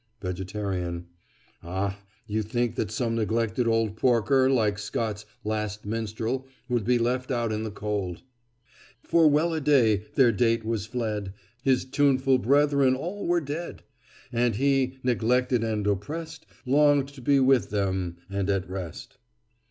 VEGETARIAN: Ah, you think that some neglected old porker, like Scott's "Last Minstrel," would be left out in the cold. "For, well a day! their date was fled, His tuneful brethren all were dead; And he, neglected and oppressed, Longed to be with them and at rest."